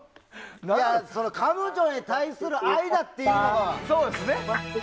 彼女に対する愛だっていうのが。